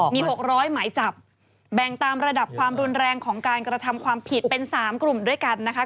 มี๖๐๐หมายจับแบ่งตามระดับความรุนแรงของการกระทำความผิดเป็น๓กลุ่มด้วยกันนะคะ